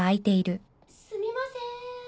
すみませーん。